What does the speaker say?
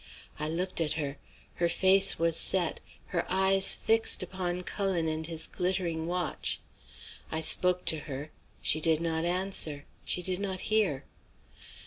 I looked at her; her face was set, her eyes fixed upon Cullen and his glittering watch. I spoke to her; she did not answer, she did not hear."